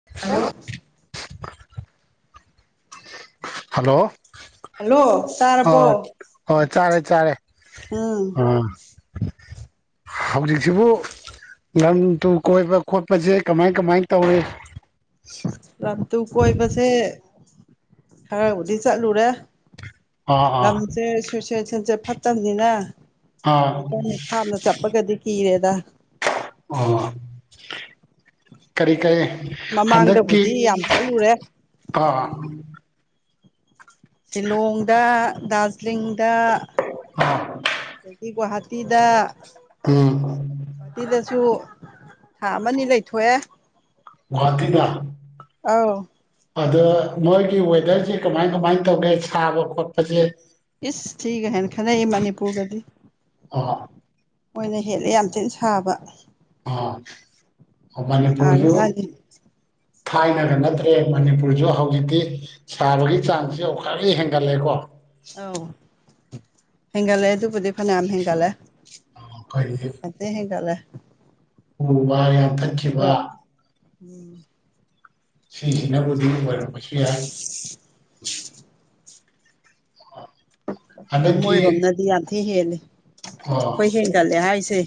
[unintelligible] hello hello ꯇꯥꯔꯕꯣ ꯑ ꯆꯥꯔꯦ ꯆꯔꯦ ꯎꯝ ꯑ ꯍꯧꯖꯤꯛꯁꯤꯕꯨ ꯂꯝ ꯇꯨ ꯀꯣꯏꯕ ꯈꯣꯠꯄꯁꯦ ꯀꯃꯥꯏꯅ ꯔꯝ ꯇꯨ ꯀꯣꯏꯕꯁꯦ ꯈꯔꯥꯕꯨꯗꯤ ꯆꯠꯂꯨꯔꯦ ꯑꯥ ꯑꯥ ꯂꯝꯁꯦ ꯁꯤꯇꯨꯁꯟ ꯁꯤ ꯐꯠꯇꯕꯅꯤꯅ ꯑꯥ ꯑꯗꯨꯖꯤꯀꯅꯤ ꯊꯥꯡꯝꯅ ꯆꯠꯄꯒꯗꯤ ꯀꯤꯔꯦꯗ ꯑꯣ ꯀꯔꯤ ꯀꯥꯏ ꯍꯟꯗꯛꯀꯤ ꯃꯃꯥꯡꯗꯕꯨꯗꯤ ꯌꯥꯝ ꯆꯠꯂꯨꯔꯦ ꯑ ꯁꯤꯂꯣꯡꯗ ꯗꯥꯔꯖꯤꯂꯤꯡꯗ ꯑꯥ ꯑꯗꯒꯤ ꯒꯨꯍꯥ ꯍꯇꯤꯗ ꯎꯝ ꯇꯤꯗꯁꯨ ꯊꯥ ꯑꯃ ꯂꯩꯊꯣꯛꯑꯦ ꯘꯨꯋꯥꯇꯤꯗ ꯑꯥꯎ ꯑꯗ ꯃꯣꯏꯒꯤ ꯋꯦꯗꯔꯁꯦ ꯀꯃꯥꯏ ꯀꯃꯥꯏꯅ ꯇꯧꯒꯦ ꯁꯥꯕ ꯈꯣꯠꯄꯁꯦ ꯏꯁ ꯊꯤꯒ ꯍꯥꯏ ꯈꯔ ꯑꯩ ꯃꯅꯤꯄꯨꯔꯒꯗꯤ ꯑꯥ ꯃꯣꯏꯅ ꯍꯦꯜꯂꯦ ꯌꯥꯝ ꯊꯤꯅ ꯁꯥꯕ ꯑ ꯍ ꯃꯅꯤꯄꯨꯔꯁꯨ ꯁꯥꯒ꯭ꯔꯖꯥꯠꯅꯤ ꯊꯥꯏꯅꯒ ꯅꯠꯇ꯭ꯔꯦ ꯃꯅꯤꯄꯨꯔꯁꯨ ꯍꯧꯖꯤꯛꯇꯤ ꯁꯥꯕꯒꯤ ꯆꯥꯡꯁꯤ ꯋꯥꯈꯗꯤ ꯍꯦꯟꯒꯠꯂꯦꯀꯣ ꯑꯧ ꯍꯦꯡꯒꯥꯜꯂꯦ ꯑꯗꯨꯗꯨꯕꯨꯗꯤ ꯐꯅꯑꯝ ꯍꯦꯡꯒꯥꯜꯂꯦ [unintelligible] ꯑꯣ ꯋꯥ ꯌꯥꯟꯊꯠꯈꯤꯕ ꯑꯗꯨꯒ ꯎꯝ ꯁꯤꯁꯤꯅꯕꯨꯗꯤ ꯑꯣꯏꯔꯝꯕꯁꯨ ꯌꯥꯏ ꯑꯗꯨ ꯍꯟꯗꯛꯀꯤ ꯃꯣꯏꯔꯣꯝꯅꯗꯤ ꯌꯥꯝ ꯊꯤ ꯍꯦꯜꯂꯦ ꯑꯩꯈꯣꯏ ꯑꯣ ꯍꯦꯟꯒꯠꯂꯦ ꯍꯥꯏꯁꯦ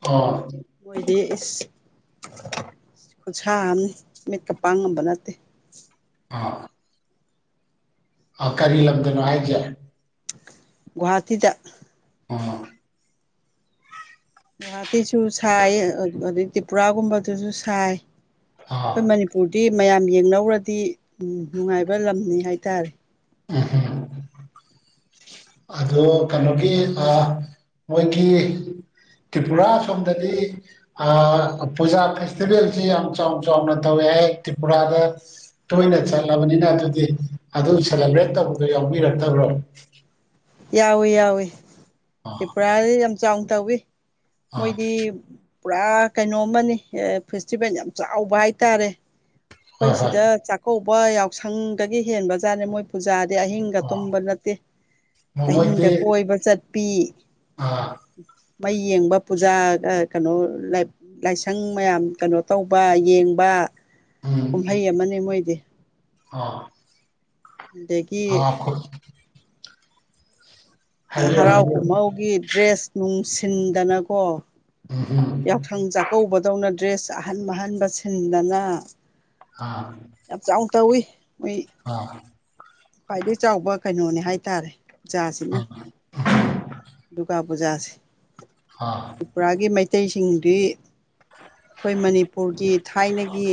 ꯑꯣ ꯃꯣꯏꯗꯤ ꯏꯁ ꯈꯨꯠꯁꯥ ꯑꯝ ꯃꯤꯠꯀꯞ ꯄꯥꯡꯉꯝꯕ ꯅꯠꯇꯦ ꯑ ꯑ ꯀꯔꯤ ꯂꯝꯗꯅꯣ ꯍꯥꯏꯖ ꯒꯤꯍꯥꯥꯇꯤꯗ ꯑ ꯒꯨꯍꯥꯇꯤꯁꯨ ꯁꯥꯏ ꯑꯗꯨꯗꯩ ꯇ꯭ꯔꯤꯄꯨꯔꯥꯒꯨꯝꯕꯗꯨꯁꯨ ꯁꯥꯏ ꯑꯀꯣꯏ ꯑꯥ ꯃꯅꯤꯄꯨꯔꯗꯤ ꯃꯌꯥꯝ ꯌꯦꯡꯅꯧꯔꯗꯤ ꯅꯨꯡꯉꯥꯏꯕ ꯂꯝꯅꯤ ꯍꯥꯏꯇꯥꯔꯦ [unintelligible] ꯑꯗꯨ ꯀꯩꯅꯣꯒꯤ ꯑ ꯃꯣꯏꯒꯤ ꯇ꯭ꯔꯤꯄꯨꯔꯥ ꯁꯣꯝꯗꯗꯤ ꯄꯨꯖꯥ ꯐꯦꯁꯇꯤꯚꯦꯜꯁꯤ ꯌꯥꯝ ꯆꯥꯎ ꯆꯥꯎꯅ ꯇꯧꯋꯦ ꯇ꯭ꯔꯤꯄꯨꯔꯥꯗ ꯇꯣꯏꯅ ꯆꯠꯂꯕꯅꯤꯅ ꯑꯗꯨꯗꯤ ꯑꯗꯨ ꯁꯦꯂꯦꯕ꯭ꯔꯦꯠ ꯇꯧꯕꯗꯣ ꯌꯥꯎꯕꯤꯔꯛꯇꯕ꯭ꯔꯣ ꯌꯥꯎꯏꯤ ꯌꯥꯎꯏꯤ ꯑꯥ ꯇꯔꯤꯄꯨꯔꯥꯗꯤ ꯌꯥꯝ ꯆꯥꯎꯅ ꯇꯧꯋ ꯑꯥ ꯃꯣꯏꯗꯤ ꯄꯨꯔꯥ ꯀꯩꯅꯣꯃ ꯐꯦꯁꯇꯤꯚꯦꯜ ꯌꯥꯝ ꯆꯥꯎꯕ ꯍꯥꯏꯇꯥꯔꯦ ꯑꯩꯈꯣꯏ ꯍꯣꯏ ꯍꯣꯏ ꯁꯤꯗ ꯆꯥꯛꯀꯧꯕ ꯌꯥꯎꯁꯪꯗꯒꯤ ꯍꯦꯟꯕ ꯖꯥꯠꯅꯦ ꯃꯣꯏ ꯄꯨꯖꯥ ꯍꯤꯡꯒꯥ ꯑꯣ ꯇꯨꯝꯝꯕ ꯅꯠꯇꯦ ꯑꯍꯤꯡꯗ ꯃꯣꯏꯗꯤ ꯀꯣꯏꯕ ꯆꯠꯄꯤ ꯑꯥ ꯃꯩ ꯌꯦꯡꯕ ꯄꯨꯖꯥ ꯀꯩꯅꯣ ꯂꯥꯏꯁꯪ ꯃꯌꯥꯝ ꯀꯩꯅꯣ ꯇꯧꯕ ꯌꯦꯡꯕ ꯀꯨꯝꯍꯩ ꯎꯝ ꯑꯃꯅꯤꯅꯦ ꯃꯣꯏꯗꯤ ꯑꯥ ꯑꯗꯒꯤ ꯑꯈꯣꯏ ꯍꯔꯥꯎ ꯍꯥꯏꯕꯤꯔꯣ ꯀꯨꯝꯍꯧꯒꯤ ꯗ꯭ꯔꯦꯁ ꯅꯨꯡꯁꯤꯟꯗꯅꯀꯣ ꯎꯝ ꯎꯝ ꯌꯥꯎꯁꯪ ꯆꯥꯛꯀꯧꯕꯗꯧꯅ ꯗ꯭ꯔꯦꯁ ꯑꯍꯟ ꯑꯍꯟꯕ ꯁꯤꯟꯗꯅ ꯌꯥꯝ ꯆꯥꯎ ꯇꯧꯋꯏ ꯑ ꯈ꯭ꯋꯥꯏꯗꯒꯤ ꯆꯥꯎꯕ ꯀꯩꯅꯣꯅꯦ ꯍꯥꯏꯇꯥꯔꯦ ꯖꯥꯁꯤꯅ ꯑꯥ ꯑꯗꯨꯒ ꯄꯨꯖꯥꯁꯦ ꯑꯥ ꯇ꯭ꯔꯤꯄꯨꯔꯥꯒꯤ ꯃꯩꯇꯩꯁꯤꯡꯗꯤ ꯑꯩꯈꯣꯏ ꯃꯅꯤꯄꯨꯔꯒꯤ ꯊꯥꯏꯅꯒꯤ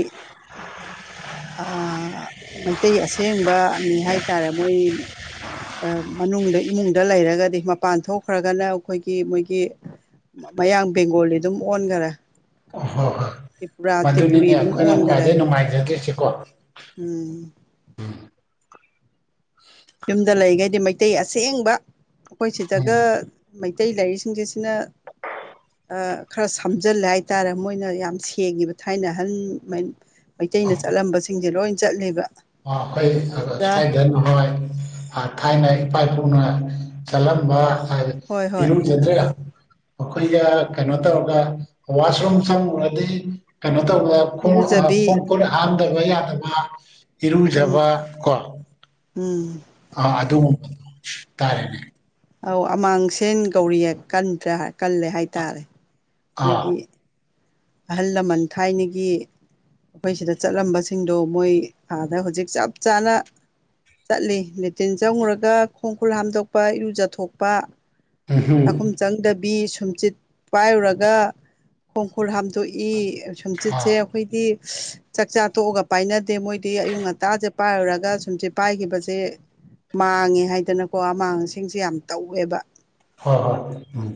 ꯃꯩꯇꯩ ꯑꯁꯦꯡꯕꯅꯤ ꯍꯥꯏ ꯇꯥꯔꯦ ꯃꯣꯏ ꯃꯅꯨꯡꯗ ꯏꯃꯨꯡꯗ ꯂꯩꯔꯒꯗꯤ ꯃꯄꯥꯟ ꯊꯣꯛꯈ꯭ꯔꯒꯅ ꯑꯩꯈꯣꯏꯒꯤ ꯃꯣꯏꯒꯤ ꯃꯌꯥꯡ ꯕꯦꯡꯒꯣꯂꯤ ꯑꯗꯨꯝ ꯑꯣꯟꯈꯔꯦ ꯑꯣ ꯍꯣꯏ ꯍꯣꯏ ꯇ꯭ꯔꯤꯄꯨꯔꯥ ꯇ꯭ꯔꯤꯄꯨꯔꯤ ꯃꯗꯨꯅꯤꯅꯦ ꯑꯗꯨꯝ ꯑꯩꯈꯣꯏꯅ ꯑꯣꯟꯈꯔꯦ ꯈ꯭ꯋꯥꯏꯗꯒꯤ ꯅꯨꯡꯉꯥꯏꯖꯗꯣꯏꯁꯤꯀꯣ ꯎꯝ ꯌꯨꯝꯗ ꯂꯩꯈꯩꯗꯤ ꯃꯩꯇꯩ ꯑꯁꯦꯡꯕ ꯑꯩꯈꯣꯏ ꯁꯤꯗꯒ ꯎꯝ ꯃꯩꯇꯩ ꯂꯥꯏꯔꯤꯛꯁꯤꯡꯁꯤꯁꯤꯅ ꯈꯔ ꯁꯝꯖꯤꯜꯂꯦ ꯍꯥꯏꯇꯥꯥꯔꯦ ꯃꯣꯏꯅ ꯌꯥꯝ ꯁꯦꯡꯉꯤꯕ ꯊꯥꯏꯅ ꯑꯍꯟ ꯃꯩꯇꯩꯅ ꯆꯠꯂꯝꯕꯁꯤꯡꯁꯦ ꯂꯣꯏ ꯆꯠꯂꯦꯕ [unintelligible] ꯑꯗꯨꯒ ꯊꯥꯏꯅ ꯏꯄꯥ ꯏꯄꯨꯅ ꯆꯠꯂꯝꯕ ꯍꯣꯏ ꯍꯣꯏ ꯏꯔꯨꯖꯗ꯭ꯔꯦ ꯃꯈꯣꯏꯒ ꯀꯩꯅꯣ ꯇꯧꯔꯒ ꯋꯥꯁꯔꯨꯝ ꯆꯪꯉꯨꯔꯗꯤ ꯀꯩꯅꯣ ꯈꯣꯡ ꯏꯔꯨꯖꯕꯤ ꯈꯣꯡ ꯈꯨꯠ ꯍꯥꯝꯗꯕ ꯎꯝ ꯌꯥꯗꯕ ꯎꯝ ꯏꯔꯨꯖꯕ ꯀꯣ ꯎꯝ ꯑ ꯑꯗꯨ ꯇꯥꯔꯦꯅꯦ ꯑꯧ ꯑꯃꯥꯡꯁꯦꯟ ꯀꯧꯔꯤꯑ ꯀꯟꯗ꯭ꯔ ꯀꯜꯂꯦ ꯍꯥꯏꯇꯥꯔꯦ ꯑꯥ ꯃꯈꯣꯏꯒꯤ ꯑꯍꯜ ꯂꯃꯟ ꯊꯥꯏꯅꯒꯤ ꯑꯩꯈꯣꯏ ꯁꯤꯗ ꯆꯠꯂꯝꯕꯁꯤꯡꯗꯣ ꯃꯣꯏ ꯑꯥꯗ ꯍꯧꯖꯤꯛ ꯆꯞ ꯆꯥꯅ ꯆꯠꯂꯤ ꯂꯦꯇꯔꯤꯟ ꯆꯪꯉꯨꯔꯒ ꯈꯣꯡ ꯈꯨꯠ ꯍꯥꯝꯗꯣꯛꯄ ꯏꯔꯨꯖꯊꯣꯛꯄ ꯆꯥꯛꯈꯨꯝ ꯎꯝꯍꯨꯝ ꯆꯪꯗꯕꯤ ꯁꯨꯝꯆꯤꯠ ꯄꯥꯏꯔꯨꯔꯒ ꯈꯣꯡ ꯈꯨꯔ ꯍꯥꯝꯗꯣꯛꯏ ꯁꯨꯝꯆꯤꯠꯁꯦ ꯑꯥ ꯑꯩꯈꯣꯏꯗꯤ ꯆꯥꯛꯆꯥꯥ ꯇꯣꯛꯑꯒ ꯄꯥꯏꯅꯗꯦ ꯃꯣꯏꯗꯤ ꯑꯌꯨꯛ ꯉꯇꯥꯖꯕ ꯄꯥꯏꯔꯨꯔꯒ ꯁꯨꯝꯁꯦ ꯄꯥꯏꯈꯤꯕꯁꯦ ꯃꯥꯡꯉꯦ ꯍꯥꯏꯗꯅꯀꯣ ꯑꯃꯥꯡꯁꯤꯡꯁꯦ ꯌꯥꯝ ꯇꯧꯋꯦꯕ ꯍꯣꯏ ꯍꯣꯏ ꯎꯝ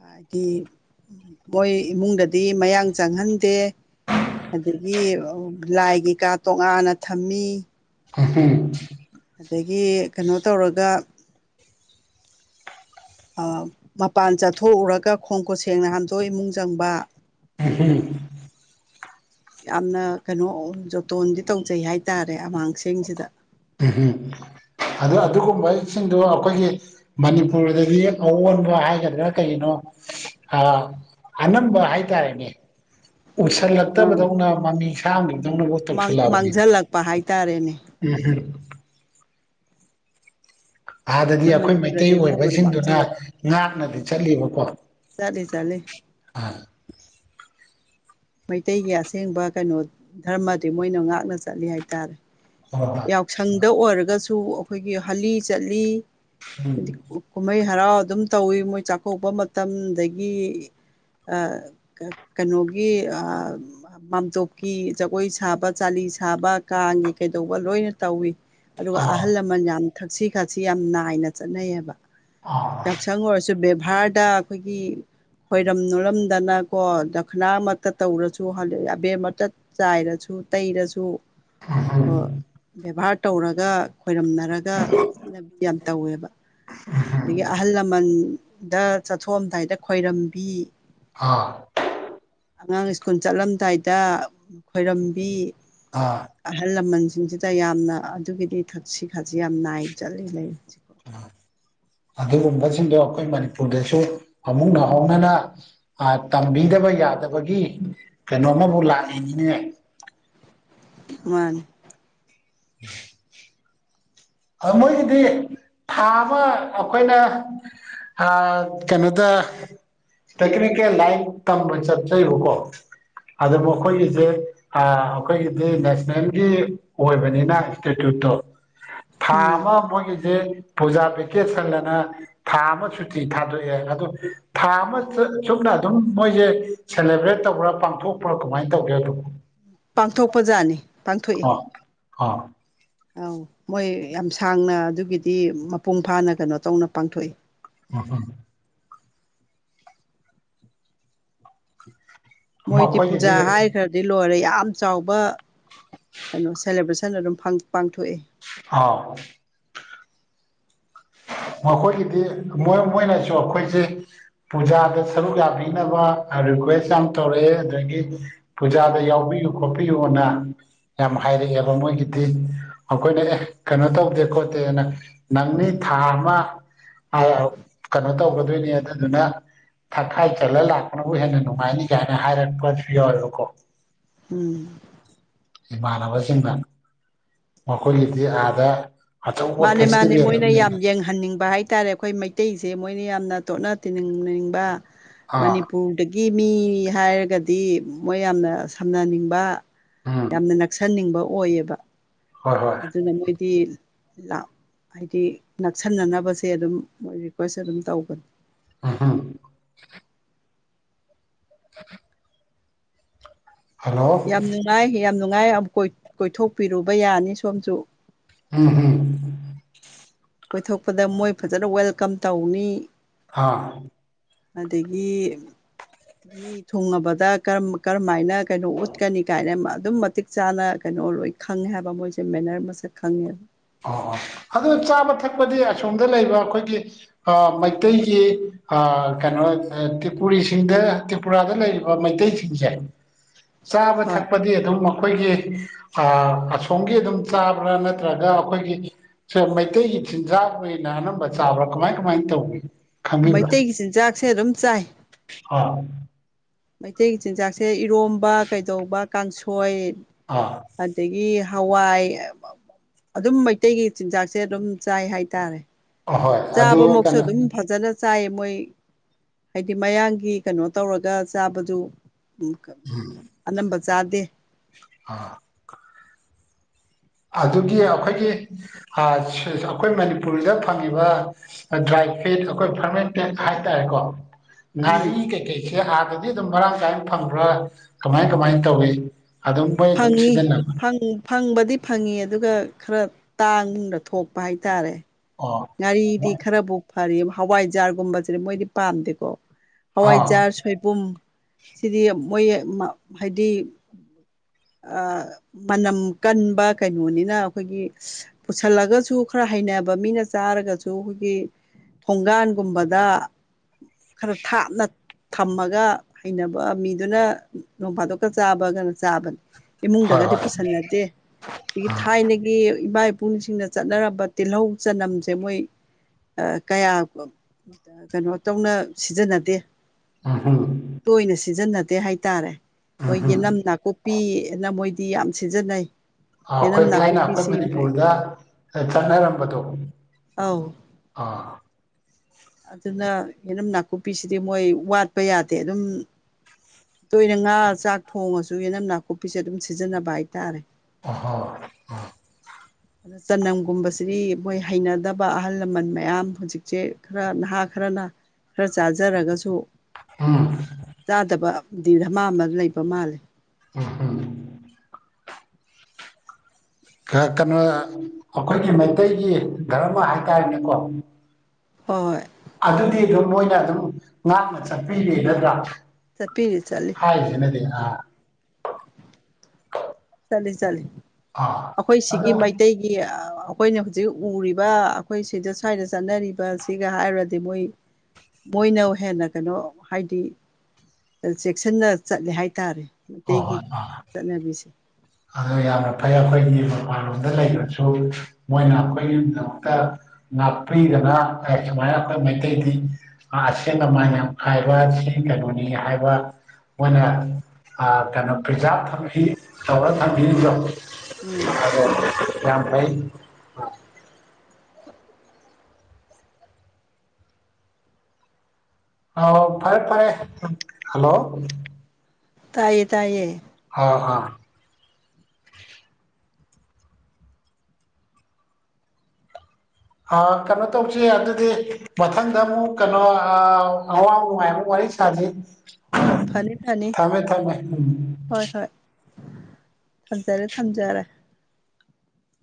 ꯍꯥꯏꯗꯤ ꯃꯣꯏ ꯏꯃꯨꯡꯗꯗꯤ ꯃꯌꯥꯡ ꯆꯪꯍꯟꯗꯦ ꯑꯗꯒꯤ ꯂꯥꯏ ꯀꯩꯀꯥ ꯇꯣꯉꯥꯟꯅ ꯊꯝꯃꯤ ꯎꯝ ꯑꯗꯒꯤ ꯀꯩꯅꯣ ꯇꯧꯔꯒ ꯃꯄꯥꯟ ꯆꯠꯊꯣꯛꯎꯔꯒ ꯈꯣꯡ ꯈꯨꯠꯁꯦꯡꯅ ꯍꯥꯝꯗꯣꯛ ꯏꯃꯨꯡ ꯆꯪꯕ [unintelligible] ꯌꯥꯝꯅ ꯀꯩꯅꯣ ꯖꯣꯇꯣꯟꯗꯤ ꯇꯧꯖꯩ ꯍꯥꯏꯇꯥꯔꯦ ꯑꯃꯥꯡꯁꯁꯤꯡꯁꯤꯗ ꯎꯝ ꯑꯗꯨꯗ ꯑꯗꯨꯒꯨꯝꯕꯁꯤꯡꯗꯨꯣ ꯑꯩꯈꯣꯏꯒꯤ ꯃꯅꯤꯄꯨꯔꯗꯗꯤ ꯑꯑꯣꯟꯕ ꯍꯥꯏꯒꯗ꯭ꯔꯥ ꯀꯩꯒꯤꯅꯣ ꯑ ꯑꯅꯝꯕ ꯍꯥꯏꯇꯥꯔꯦꯅꯦ ꯑꯥ ꯎꯁꯤꯜꯂꯛꯇꯕꯗꯧꯅ ꯃꯃꯤ ꯁꯥꯡꯒꯤꯗꯧꯅꯕꯨꯠ ꯇꯧꯁꯤꯜꯂꯛꯑꯕꯅꯤꯅꯦ ꯃꯥꯡꯁꯤꯜꯂꯛꯄ ꯍꯥꯏꯇꯥꯔꯦꯅꯦ [unintelligible] ꯑꯥꯗꯗꯤ ꯑꯩꯈꯣꯏ ꯃꯩꯇꯩ ꯃꯅꯤꯄꯨꯔꯗꯗꯤ ꯑꯗꯨꯒꯨꯝꯕꯗꯣ ꯑꯣꯏꯕꯁꯤꯡꯗꯨꯅ ꯃꯥꯡꯁꯤꯜꯂꯦ ꯉꯥꯛꯅꯗꯤ ꯆꯠꯂꯤꯕꯀꯣ ꯆꯂꯦ ꯆꯂꯦ ꯑꯥ ꯃꯩꯇꯩꯒꯤ ꯑꯁꯦꯡꯕ ꯀꯩꯅꯣ ꯙꯔꯃꯗꯤ ꯃꯣꯏꯅ ꯉꯥꯛꯅ ꯆꯠꯂꯤ ꯍꯥꯏꯇꯥꯔꯦ ꯍꯣꯏ ꯍꯣꯏ ꯌꯥꯎꯁꯪꯗ ꯑꯣꯏꯔꯒꯁꯨ ꯑꯩꯈꯣꯏꯒꯤ ꯍꯂꯤ ꯆꯠꯂꯤ ꯍꯥꯏꯗꯤ ꯎꯝ ꯀꯨꯝꯍꯩ ꯍꯔꯥꯎ ꯑꯗꯨꯝ ꯇꯧꯋꯤ ꯃꯣꯏ ꯆꯥꯛꯀꯣꯛꯄ ꯃꯇꯝꯗꯒꯤ ꯑ ꯀ ꯀꯩꯅꯣꯒꯤ ꯃꯥꯝꯇꯣꯞꯀꯤ ꯖꯒꯣꯏ ꯁꯥꯕ ꯆꯥꯂꯤ ꯁꯥꯕ ꯀꯥꯡꯒꯤ ꯀꯩꯗꯧꯕ ꯂꯣꯏꯅ ꯣꯏꯅ ꯇꯧꯋꯤ ꯑꯗꯨꯒ ꯑꯥ ꯑꯍꯜ ꯂꯃꯟ ꯌꯥꯝ ꯊꯛꯁꯤ ꯈꯥꯁꯤ ꯌꯥꯝ ꯅꯥꯏꯅ ꯆꯠꯅꯩꯌꯦꯕ ꯑꯥ ꯌꯥꯁꯥꯡꯪ ꯋꯥꯔꯁꯨ ꯚꯥꯔꯗ ꯑꯩꯈꯣꯏꯒꯤ ꯈꯣꯏꯔꯝ ꯅꯔꯝꯗꯅꯀꯣ ꯅꯥꯃꯛꯇ ꯇꯧꯔꯁꯨ ꯑꯕꯦꯔꯃꯛꯇ ꯆꯥꯏꯔꯁꯨ ꯇꯩꯔꯁꯨ ꯑꯣ ꯕꯦꯕꯥꯔ ꯇꯧꯔꯒ ꯈꯣꯏꯔꯝꯅꯔꯒ ꯆꯠꯅꯕꯤ ꯌꯥꯝ ꯇꯧꯋꯦꯕ ꯑꯗꯒꯤ ꯑꯍꯜ ꯂꯃꯟ ꯗ ꯆꯠꯊꯣꯛꯑꯝꯗꯥꯏꯗ ꯈꯏꯔꯝꯕꯤ ꯑꯥ ꯑꯉꯥꯡ ꯁ꯭ꯀꯨꯜ ꯆꯠꯂꯝꯗꯥꯏꯗ ꯈꯣꯏꯔꯝꯕꯤ ꯑꯥ ꯑꯍꯜ ꯂꯃꯟ ꯁꯤꯡꯁꯤꯗ ꯌꯥꯝꯅ ꯑꯗꯨꯒꯤꯗꯤ ꯊꯛꯁꯤ ꯈꯥꯁꯤ ꯌꯥꯝ ꯅꯥꯏꯅ ꯆꯠꯂꯤ ꯂꯩ ꯑ ꯑꯗꯨꯒꯨꯝꯕꯁꯤꯡꯗꯣ ꯑꯩꯈꯣꯏ ꯃꯅꯤꯄꯨꯔꯗꯁꯨ ꯑꯃꯨꯛ ꯅꯍꯧꯅꯅ ꯇꯝꯕꯤ ꯍꯥꯏꯗꯕ ꯌꯥꯗꯕꯒꯤ ꯀꯩꯅꯣꯃꯕꯨ ꯂꯥꯛꯏꯅꯤꯅꯦ ꯃꯥꯅꯤ ꯎꯝ ꯑ ꯃꯣꯏꯒꯤꯗꯤ ꯊꯥ ꯑꯃ ꯑꯩꯈꯣꯏꯅ ꯀꯩꯅꯣꯗ ꯇꯦꯛꯅꯤꯀꯦꯜ ꯂꯥꯏꯟ ꯀꯝꯄꯁꯠꯀꯣ ꯑꯗꯨꯕꯨ ꯑꯩꯈꯣꯏꯒꯤꯁꯦ ꯑꯩꯈꯣꯏꯒꯤꯗꯤ ꯅꯦꯁꯅꯦꯜꯒꯤ ꯑꯣꯏꯕꯅꯤꯅ ꯏꯟꯁꯇꯤꯇ꯭ꯌꯨꯠꯇꯣ ꯎꯝ ꯐꯥꯔꯃ ꯃꯣꯏꯒꯤꯁꯦ ꯄꯨꯖꯥ ꯄꯦꯀꯦꯖ ꯁꯪꯗꯅ ꯊꯥ ꯑꯃ ꯁꯨꯇꯤ ꯊꯥꯗꯣꯛꯑꯦ ꯑꯗꯨꯣ ꯊꯥ ꯑꯃ ꯑꯗꯨꯝ ꯃꯣꯏꯁꯦ ꯁꯦꯂꯦꯕ꯭ꯔꯦꯠ ꯇꯧꯕ꯭ꯔꯥ ꯄꯥꯡꯊꯣꯛꯄ꯭ꯔꯥ ꯀꯃꯥꯏꯅ ꯇꯧꯒꯦ ꯑꯗꯨ ꯄꯥꯡꯊꯣꯛꯄ ꯖꯥꯠꯅꯤ ꯄꯥꯡꯊꯣꯛꯏ ꯍꯥꯥ ꯑꯧ ꯃꯣꯏ ꯌꯥꯝ ꯁꯥꯡꯅ ꯑꯗꯨꯒꯤꯗꯤ ꯃꯄꯨꯡ ꯐꯥꯅ ꯀꯩꯅꯣ ꯇꯧꯅ ꯄꯥꯡꯊꯣꯛꯏ ꯑ ꯍ ꯃꯣꯏꯗꯤ ꯄꯨꯖꯥ ꯃꯈꯣꯏꯒꯤꯗꯤ ꯍꯥꯏꯈ꯭ꯔꯗꯤ ꯂꯣꯏꯔꯦ ꯌꯥꯝ ꯌꯥꯝ ꯆꯥꯎꯕ ꯀꯩꯅꯣ ꯁꯦꯂꯦꯕ꯭ꯔꯦꯁꯟ ꯑꯗꯨꯝ ꯄꯥꯡꯊꯣꯛꯑꯦ ꯑꯥꯎ [inaudible] ꯃꯈꯣꯏꯒꯤꯗꯤ ꯃꯣꯏ ꯃꯣꯏꯅꯁꯨ ꯑꯩꯈꯣꯏꯁꯦ ꯄꯨꯖꯥꯗ ꯁꯔꯨꯛ ꯌꯥꯕꯤꯅꯕ ꯔꯤꯀ꯭ꯋꯦꯁ ꯌꯥꯝ ꯇꯧꯔꯛꯑꯦ ꯑꯗꯨꯗꯒꯤ ꯄꯨꯖꯥꯗ ꯌꯥꯎꯕꯤꯌꯨ ꯈꯣꯠꯄꯤꯌꯨꯅ ꯌꯥꯝ ꯍꯥꯏꯔꯛꯑꯦꯕ ꯃꯣꯏꯒꯤꯗꯤ ꯑꯩꯈꯣꯏꯅ ꯑꯦ ꯀꯩꯅꯣ ꯇꯧꯗꯦ ꯈꯣꯠꯇꯦꯅ ꯅꯪꯅꯤ ꯊꯥ ꯑꯃ ꯀꯩꯅꯣ ꯇꯧꯒꯗꯣꯏꯅꯤ ꯑꯗꯨꯗꯨꯅ ꯊꯛꯈꯥꯏ ꯆꯠꯂ ꯂꯥꯛꯄꯅꯕꯨ ꯍꯦꯟꯅ ꯅꯨꯡꯉꯥꯏꯅꯤ ꯀꯥꯏꯅ ꯍꯥꯏꯔꯄꯁꯨ ꯌꯥꯎꯦꯕꯀꯣ ꯎꯝ ꯏꯃꯥꯟꯅꯕꯁꯤꯡꯅ ꯃꯈꯣꯏꯒꯤꯗꯤ ꯑꯥꯗ ꯑꯆꯧꯕ ꯃꯥꯅꯦ ꯃꯥꯅꯦ ꯐꯦꯁꯇꯤꯚꯦꯜ ꯃꯣꯏꯅ ꯑꯃꯅꯦ ꯌꯥꯝ ꯌꯦꯡꯍꯟꯅꯤꯡꯕ ꯍꯥꯏꯇꯥꯔꯦ ꯑꯩꯈꯣꯏ ꯃꯩꯇꯩꯁꯦ ꯃꯣꯏꯅ ꯌꯥꯝꯅ ꯇꯣꯠꯅ ꯇꯤꯅꯤꯡꯅꯤꯡꯕ ꯑꯥ ꯃꯅꯤꯄꯨꯔꯗꯒꯤ ꯃꯤ ꯍꯥꯏꯔꯒꯗꯤ ꯃꯣꯏ ꯌꯥꯝꯅ ꯁꯝꯅꯅꯤꯡꯕ ꯎꯝ ꯌꯥꯝꯅ ꯅꯛꯁꯟꯅꯤꯡꯕ ꯑꯣꯏꯌꯦꯕ ꯍꯣꯏ ꯍꯣꯏ ꯑꯗꯨꯅ ꯃꯣꯏꯗꯤ ꯍꯥꯏꯗꯤ ꯅꯛꯁꯤꯟꯅꯅꯕꯁꯦ ꯑꯗꯨꯝ ꯃꯣꯏ ꯔꯤꯀ꯭ꯋꯦꯁ ꯑꯗꯨꯝ ꯇꯧꯕꯅꯤ ꯑ ꯍ [inaudible] ꯍꯜꯂꯣ ꯌꯥꯝ ꯅꯨꯡꯉꯥꯏ ꯌꯥꯝ ꯅꯨꯡꯉꯥꯏꯛ ꯀꯣꯏꯊꯣꯛꯄꯤꯔꯨꯕ ꯌꯥꯅꯤ ꯁꯣꯝꯁꯨ ꯎꯝ ꯍꯝ ꯀꯣꯏꯊꯣꯛꯄꯗ ꯃꯣꯏ ꯐꯖꯅ ꯋꯦꯜꯀꯝ ꯇꯧꯋꯤ ꯍꯥꯥ ꯑꯗꯒꯤ ꯃꯤ ꯊꯨꯡꯉꯕꯗ ꯀꯔꯝ ꯀꯔꯝꯃꯥꯏꯅ ꯀꯩꯅꯣ ꯎꯠꯀꯅꯤ ꯀꯥꯏꯅ ꯃ ꯑꯗꯨꯝ ꯃꯇꯤꯛ ꯆꯥꯅ ꯀ ꯅꫭ ꯂꯣꯏ ꯈꯪꯉꯦ ꯍꯥꯏꯕ ꯃꯣꯏꯁꯦ ꯃꯦꯅꯔ ꯃꯁꯛ ꯈꯪꯉꯦꯕ ꯑꯣ ꯑꯣ ꯑꯗꯨ ꯆꯥꯕ ꯊꯛꯄꯗꯤ ꯑꯁꯣꯝꯗ ꯂꯩꯕ ꯑꯩꯈꯣꯏꯒꯤ ꯃꯩꯇꯩꯒꯤ ꯑꯥ ꯀꯩꯅꯣ ꯇ꯭ꯔꯤꯄꯨꯔꯤꯁꯤꯡꯗ ꯇ꯭ꯔꯤꯄꯨꯔꯥꯗ ꯂꯩꯔꯤꯕ ꯃꯩꯇꯩꯁꯤꯡꯁꯦ [inaudible] ꯆꯥꯕ ꯍꯣꯏ ꯊꯛꯄꯗꯤ ꯑꯗꯨꯝ ꯃꯈꯣꯏꯒꯤ ꯑꯥ ꯑꯁꯣꯝꯒꯤ ꯑꯗꯨꯝ ꯆꯥꯕ꯭ꯔꯥ ꯅꯠꯇ꯭ꯔꯒ ꯑꯩꯈꯣꯏꯒꯤ ꯁ ꯃꯩꯇꯩꯒꯤ ꯆꯤꯟꯖꯥꯛ ꯑꯣꯏꯅ ꯑꯅꯝꯕ ꯆꯥꯕ꯭ꯔꯥ ꯀꯃꯥꯏ ꯀꯃꯥꯏꯅ ꯇꯧꯋꯤ ꯃꯩꯇꯩꯒꯤ ꯆꯤꯟꯖꯥꯛꯁꯦ ꯑꯗꯨꯝ ꯆꯥꯏ ꯑꯥꯝ ꯃꯩꯇꯩꯒꯤ ꯆꯤꯟꯖꯥꯛꯁꯦ ꯏꯔꯣꯝꯕ ꯀꯩꯗꯧꯕ ꯀꯥꯡꯁꯣꯏ ꯑꯥ ꯑꯗꯒꯤ ꯍꯋꯥꯏ ꯑꯗꯨꯝ ꯃꯩꯇꯩꯒꯤ ꯆꯤꯟꯖꯥꯛꯁꯦ ꯑꯗꯨꯝ ꯆꯥꯏ ꯍꯥꯏꯇꯥꯔꯦ ꯑꯍꯣꯏ ꯑꯗꯨ ꯆꯥꯕ ꯃꯛꯁꯨ ꯀꯩꯅꯣ ꯑꯗꯨꯝ ꯐꯖꯅ ꯆꯥꯏꯌꯦꯕ ꯃꯣꯏ ꯍꯥꯏꯗꯤ ꯃꯌꯥꯡꯒꯤ ꯀꯩꯅꯣ ꯇꯧꯔꯒ ꯆꯥꯕꯗꯨ ꯎꯝ ꯑꯅꯝꯕ ꯆꯥꯗꯦ ꯑ ꯑꯗꯨꯒꯤ ꯑꯩꯈꯣꯏꯒꯤ ꯑꯥ ꯁꯤ ꯑꯩꯈꯣꯏ ꯃꯅꯤꯄꯨꯔꯒꯤꯗ ꯐꯪꯉꯤꯕ ꯗ꯭ꯔꯥꯏ ꯑꯩꯈꯣꯏ ꯐꯔꯃꯦꯟꯇꯦꯠ ꯍꯥꯏꯇꯥꯔꯦꯀꯣ ꯎꯝ ꯉꯥꯔꯤ ꯀꯩꯀꯩꯁꯦ ꯍꯥꯟꯅꯗꯤ ꯑꯗꯨꯝ ꯃꯔꯥꯡ ꯀꯥꯏꯅ ꯐꯪꯕ꯭ꯔꯥ ꯀꯃꯥꯏ ꯀꯃꯥꯏꯅ ꯇꯧꯋꯤ ꯐꯪꯉꯤ ꯐꯪ ꯐꯪꯕꯗꯤ ꯐꯪꯉꯤ ꯑꯗꯨꯒ ꯈꯔ ꯇꯥꯡꯅ ꯊꯣꯛꯄ ꯍꯥꯏꯇꯥꯔꯦ ꯉꯥꯔꯤꯗꯤ ꯑꯣ ꯈꯔꯕꯨ ꯐꯔꯤ ꯍꯋꯥꯏꯖꯥꯔꯒꯨꯝꯕꯁꯤꯗꯤ ꯃꯣꯏꯗꯤ ꯄꯥꯝꯗꯦꯀꯣ ꯑꯥ ꯍꯋꯥꯏꯖꯥꯔ ꯁꯣꯏꯕꯨꯝ ꯁꯤꯗꯤ ꯃꯣꯏ ꯃ ꯍꯥꯏꯗꯤ [inaudible] ꯑꯥ ꯃꯅꯝ ꯀꯟꯕ ꯀꯩꯅꯣꯅꯤꯅ ꯑꯩꯈꯣꯏꯒꯤ ꯄꯨꯁꯜꯂꯒꯁꯨ ꯈꯔ ꯍꯩꯅꯕ ꯃꯤꯅ ꯆꯥꯔꯒꯁꯨ ꯑꯩꯈꯣꯏꯒꯤ ꯊꯣꯡꯒꯥꯟꯒꯨꯝꯕꯗ ꯈꯔ ꯊꯥꯞꯅ ꯊꯝꯃꯒ ꯍꯩꯅꯕ ꯃꯤꯗꯨꯅ ꯅꯣꯡ ꯐꯥꯗꯣꯛꯀ ꯆꯥꯕꯒꯅ ꯆꯥꯕꯅꯤ ꯍꯣꯏ ꯏꯃꯨꯡꯗꯒꯗꯤ ꯍꯣꯏ ꯄꯨꯁꯟꯅꯗꯦ ꯑꯗꯒꯤ ꯊꯥꯏꯅꯒꯤ ꯏꯕꯥꯏ ꯄꯨꯁꯤꯡꯅ ꯆꯠꯅꯔꯝꯕ ꯇꯤꯜꯍꯧ ꯆꯅꯝ ꯁꯦ ꯃꯣꯏ ꯑ ꯀꯌꯥ ꯀꯩꯅꯣ ꯇꯧꯅ ꯁꯤꯖꯟꯅꯗꯦ ꯎꯝ ꯍꯨꯝ ꯇꯣꯏꯅ ꯁꯤꯖꯤꯟꯅꯗꯦ ꯍꯥꯏꯇꯥꯔꯦ ꯎꯝ ꯍꫭꯏ ꯍꯨꯝ ꯌꯦꯅꯝ ꯅꯥꯀꯨꯞꯄꯤꯑꯅ ꯃꯣꯏꯗꯤ ꯌꯥꯝ ꯁꯤꯖꯤꯟꯅꯩ ꯑ ꯌꯦꯅꯝ ꯑꯩꯈꯣꯏ ꯊꯥꯏꯅ ꯑꯩꯈꯣꯏ ꯅꯥꯀꯨꯞꯄꯤꯁꯤ ꯃꯣꯏ ꯃꯅꯤꯄꯨꯔꯗ ꯆꯠꯅꯔꯝꯕꯗꯣ ꯑꯧ ꯑꯥ ꯑꯗꯨꯅ ꯌꯦꯅꯝ ꯅꯥꯀꯨꯞꯄꯤꯁꯤꯗꯤ ꯃꯣꯏ ꯋꯥꯠꯄ ꯌꯥꯗꯦ ꯑꯗꯨꯝ ꯇꯣꯏꯅ ꯉꯥ ꯆꯥꯛ ꯊꯣꯡꯉꯁꯨ ꯌꯦꯅꯝ ꯅꯥꯀꯨꯞꯄꯤꯁꯦ ꯑꯗꯨꯝ ꯁꯤꯖꯤꯟꯅꯕ ꯍꯥꯏꯇꯥꯔꯦ ꯑꯍ ꯑ ꯆꯅꯝꯒꯨꯝꯕꯁꯤꯗꯤ ꯃꯣꯏ ꯍꯩꯅꯗꯕ ꯑꯍꯜ ꯂꯃꯟ ꯃꯌꯥꯝ ꯍꯧꯖꯤꯛꯁꯦ ꯈꯔ ꯅꯍꯥ ꯈꯔꯅ ꯈꯔ ꯆꯥꯖꯔꯒꯁꯨ ꯎꯝ ꯆꯥꯗꯕ ꯗꯤ ꯙꯃꯥ ꯑꯃ ꯂꯩꯕ ꯃꯥꯜꯂꯦ ꯎ ꯍꯨꯝ ꯀ ꯀꯩꯅꯣ ꯑꯩꯈꯣꯏꯒꯤ ꯃꯩꯇꯩꯒꯤ ꯙꯔꯃ ꯍꯥꯏꯇꯥꯔꯦꯅꯦꯀꯣ ꯍꯣꯏ ꯑꯗꯨꯗꯤ ꯑꯗꯨꯝ ꯃꯣꯏꯅ ꯑꯗꯨꯝ ꯉꯥꯛꯅ ꯆꯠꯄꯤꯔꯦ ꯅꯠꯇ꯭ꯔꯥ ꯆꯠꯄꯤꯔꯤ ꯆꯠꯂꯤ ꯍꯥꯏꯁꯤꯅꯗꯤ ꯑ ꯆꯠꯂꯤ ꯆꯠꯂꯤ ꯑꯥ ꯑꯩꯈꯣꯏ ꯑꯗꯣ ꯁꯤꯒꯤ ꯍꯣꯏ ꯃꯩꯇꯩꯒꯤ ꯑꯩꯈꯣꯏꯅ ꯍꯧꯖꯤꯛ ꯎꯔꯤꯕ ꯑꯩꯈꯣꯏ ꯁꯤꯗ ꯁ꯭ꯋꯥꯏꯗ ꯆꯠꯅꯔꯤꯕꯁꯤꯒ ꯍꯥꯏꯔꯨꯔꯗꯤ ꯃꯣꯏ ꯃꯣꯏꯅ ꯍꯦꯟꯅ ꯀꯩꯅꯣ ꯍꯥꯏꯗꯤ ꯆꯦꯛꯁꯤꯟꯅ ꯆꯠꯂꯦ ꯍꯥꯏꯇꯥꯔꯦ ꯃꯩꯇꯩꯒꯤ ꯆꯠꯅꯕꯤꯁꯦ ꯑꯣ ꯌꯥꯝꯅ ꯐꯩ ꯑꯩꯈꯣꯏꯒꯤ ꯃꯄꯥꯟꯂꯣꯝꯗ ꯂꯩꯕꯁꯨ ꯃꯣꯏꯅ ꯑꯩꯈꯣꯏꯒꯤꯗꯃꯛꯇ ꯉꯥꯛꯄꯤꯗꯅ ꯁꯨꯃꯥꯏꯅ ꯑꯩꯈꯣꯏ ꯃꯩꯇꯩꯗꯤ ꯑꯁꯦꯡꯕ ꯃꯥꯏ ꯌꯥꯝ ꯍꯥꯏꯥꯏꯕ ꯀꯩꯅꯣꯅꯤ ꯍꯥꯏꯕ ꯃꯣꯏꯅ ꯀꯩꯅꯣ ꯄ꯭ꯔꯤꯖꯥꯕ ꯊꯝꯈꯤ ꯇꯧꯔ ꯊꯝꯕꯤꯗꯣ ꯎꯝ [unintelligible] ꯑ ꯐꯔꯦ ꯐꯔꯦ ꯍꯂꯣ ꯇꯥꯏꯌꯦ ꯇꯥꯏꯌꯦ ꯑꯥ ꯑꯥ ꯀꯩꯅꯣ ꯇꯧꯁꯤ ꯑꯗꯨꯗꯤ ꯃꯊꯪꯗ ꯑꯃꯨꯛ ꯀꯩꯅꯣ ꯑꯋꯥ ꯅꯨꯡꯉꯥꯏꯕ ꯑꯣꯏ ꯁꯥ ꯐꯅꯤ ꯐꯅꯤ ꯊꯃꯦ ꯊꯃꯦ ꯍꯣꯏ ꯍꯣꯏ ꯊꯝꯖꯔꯦ ꯊꯝꯖꯔꯦ